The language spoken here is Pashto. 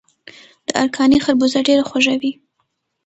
د ارکاني خربوزه ډیره خوږه وي.